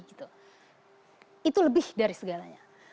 itu lebih dari segalanya